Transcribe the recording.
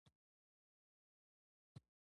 د خپل ځان پېژندنه د هوښیارتیا پیل دی.